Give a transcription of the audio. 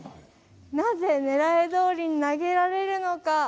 なぜ、狙いどおりに投げられるのか。